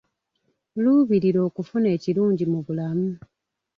Luubirira okufuna ekirungi mu bulamu.